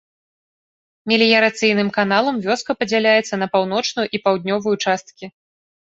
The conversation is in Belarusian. Меліярацыйным каналам вёска падзяляецца на паўночную і паўднёвую часткі.